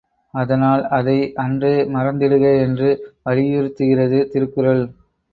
அதனால் அதை அன்றே மறந்திடுக என்று வலியுறுத்துகிறது திருக்குறள்.